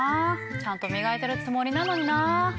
ちゃんと磨いてるつもりなのにな。